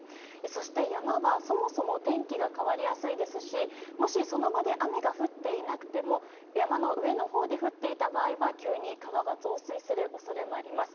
そして山は、そもそも天気が変わりやすいですしもしその場で雨が降っていなくても山の上のほうで降っていた場合は急に川が増水する恐れもあります。